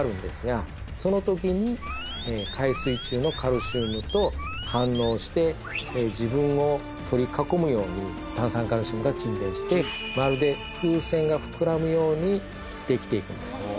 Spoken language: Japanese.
その時に海水中のカルシウムと反応して自分を取り囲むように炭酸カルシウムが沈殿してまるで風船が膨らむようにできていくんです。